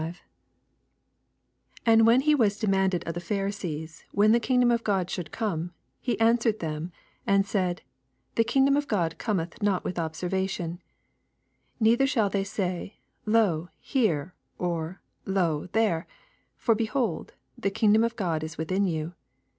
2^0 And when he was demanded of the Phurisees, when the kingdom of Qod Bhould oome, he answered them and said, The kingdom of God com eth not^ with observation : 21 Neither shall they say, Lo heret or, lo there I for, behold, the king dom of God is within yon.